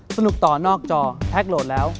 สนุกต่อนอกจอแท็กโหลดแล้ว